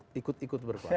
kalau cuma ikut ikut berkuasa